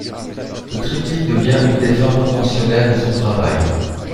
Le triptyque devient une des formes conventionnelles de son travail.